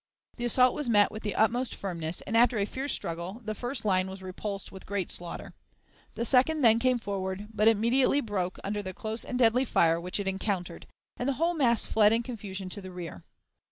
The assault was met with the utmost firmness, and after a fierce struggle the first line was repulsed with great slaughter. The second then came forward, but immediately broke under the close and deadly fire which it encountered, and the whole mass fled in confusion to the rear.